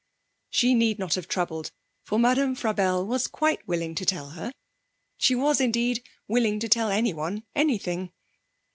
She need not have troubled, for Madame Frabelle was quite willing to tell her. She was, indeed, willing to tell anyone anything.